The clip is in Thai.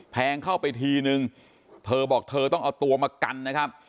แทงเข้าไปทีนึงเธอบอกเธอต้องเอาตัวมากันนะครับ